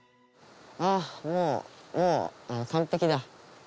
あっもうもう完璧だ。